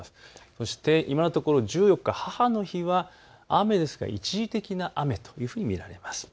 そして今のところ１４日母の日は雨、一時的な雨というふうに見られます。